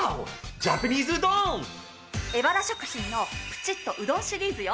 エバラ食品の「プチッとうどん」シリーズよ。